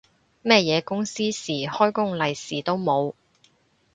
乜嘢公司事，開工利是都冇